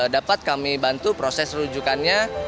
dapat kami bantu proses rujukannya